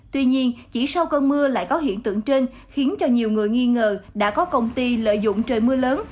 tuy nhiên chỉ sau cơn mưa lại có hiện tượng trên khiến cho nhiều người nghi ngờ đã có công ty lợi dụng trời mưa lớn